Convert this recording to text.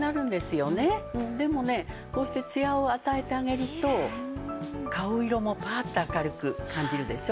でもねこうしてツヤを与えてあげると顔色もパーッと明るく感じるでしょ？